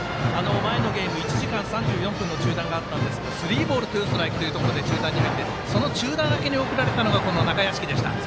前のゲーム１時間３４分の中断があったんですがスリーボール、ツーストライクで中断に入ってその中断明けに送られたのがこの中屋敷でした。